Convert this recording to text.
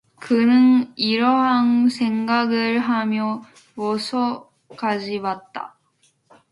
그는 이러한 생각을 하며 원소까지 왔다.